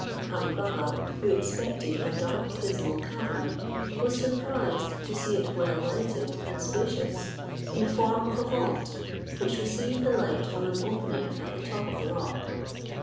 Ali Baba, who expected a dark dismal cavern, was surprised to see it well lighted and spacious, in form of a vault, which received the light from an opening at the top of the rock.